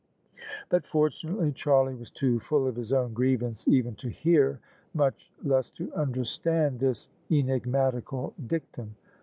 But fortunately Charlie was too full of his own grievance even to hear — ^much less to understand — this enigmatical dictum.